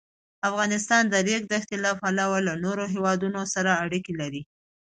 افغانستان د د ریګ دښتې له پلوه له نورو هېوادونو سره اړیکې لري.